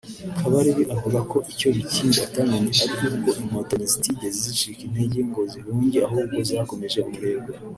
Kabarebe avuga ko icyo Bikindi atamenye ari uko Inkotanyi zitigeze zicika intege ngo zihunge ahubwo zakomeje umurego